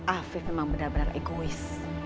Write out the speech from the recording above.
afif memang benar benar egois